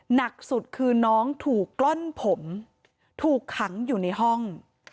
หนักสุดคือน้องถูกกล้อนผมถูกขังอยู่ในห้อง